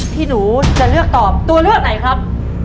พี่หนูจะเลือกตอบตัวเลือกไหนครับ